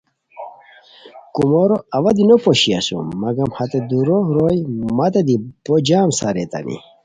کومورو اوا دی نو پوشی اسوم مگم ہتے دُورو روئے متے دی بو جم ساریتانی